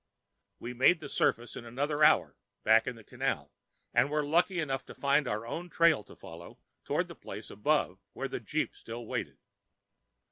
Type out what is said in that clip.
We made the surface in another hour, back in the canal, and were lucky enough to find our own trail to follow toward the place above which the jeep still waited.